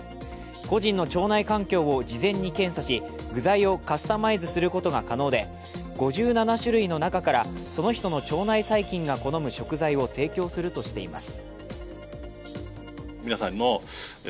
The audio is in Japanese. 個人の腸内環境を事前に検査し具材をカスタマイズすることが可能で、５７種類の中からその人の腸内細菌が好む食材を提供するとしています。